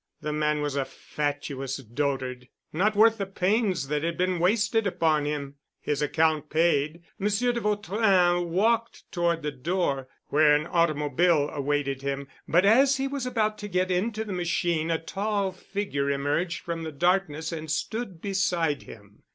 The man was a fatuous dotard, not worth the pains that had been wasted upon him. His account paid, Monsieur de Vautrin walked toward the door, where an automobile awaited him, but as he was about to get into the machine a tall figure emerged from the darkness and stood beside him.